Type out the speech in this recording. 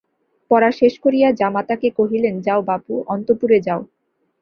পড়া শেষ করিয়া জামাতাকে কহিলেন, যাও বাপু, অন্তঃপুরে যাও।